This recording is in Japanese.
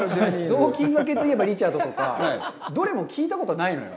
雑巾がけといえばリチャードとか、どれも聞いたことないのよ。